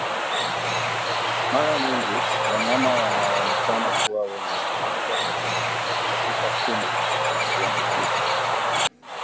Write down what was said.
Mara nyingi wanyama wanaoonekana kuwa wenye afya katika kundi huambukizwa